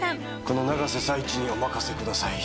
この永瀬財地にお任せ下さい！